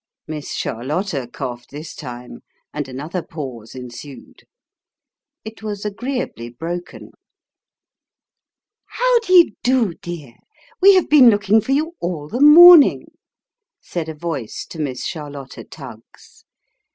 Miss Charlotta coughed this time, and another pause ensued. It was agreeably broken. " How d'ye do, dear ? We have been looking for you, all the morning," said a voice to Miss Charlotta Tuggs.